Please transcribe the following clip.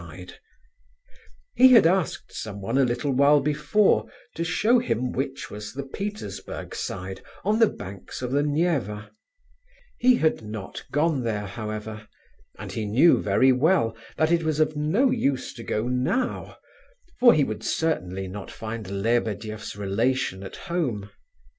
[One of the quarters of St. Petersburg.] He had asked someone, a little while before, to show him which was the Petersburg Side, on the banks of the Neva. He had not gone there, however; and he knew very well that it was of no use to go now, for he would certainly not find Lebedeff's relation at home.